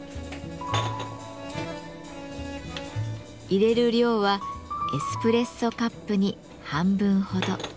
いれる量はエスプレッソカップに半分ほど。